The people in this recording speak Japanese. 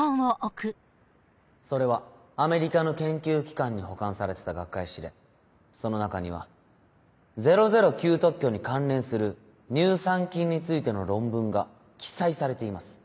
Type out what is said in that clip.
それはアメリカの研究機関に保管されてた学会誌でその中には００９特許に関連する乳酸菌についての論文が記載されています。